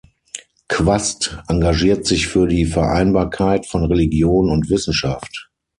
Quast engagiert sich für die Vereinbarkeit von Religion und Wissenschaft.